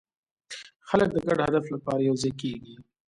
خلک د ګډ هدف لپاره یوځای کېږي.